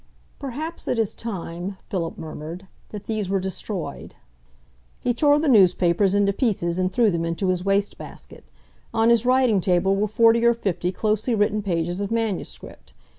"Perhaps it is time," Philip murmured, "that these were destroyed." He tore the newspapers into pieces and threw them into his waste basket. On his writing table were forty or fifty closely written pages of manuscript.